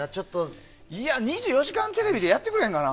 「２４時間テレビ」でやってくれへんかな。